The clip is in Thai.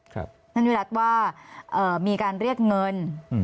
ท่านวิรัติว่ามีการเรียกเงิน